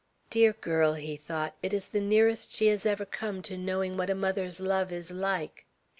"Dear girl," he thought; "it is the nearest she has ever come to knowing what a mother's love is like!"